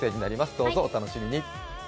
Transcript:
どうぞお楽しみに！